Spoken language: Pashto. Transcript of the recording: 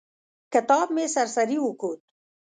کتاب مې سر سري وکوت.